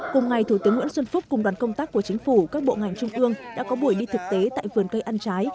cùng ngày thủ tướng nguyễn xuân phúc cùng đoàn công tác của chính phủ các bộ ngành trung ương đã có buổi đi thực tế tại vườn cây ăn trái